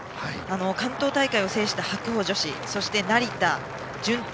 関東大会を制した白鵬女子そして成田、順天